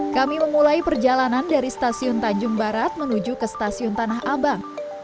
kami memulai perjalanan dari stasiun tanjung barat menuju ke stasiun tanah abang